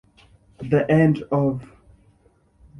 The End of.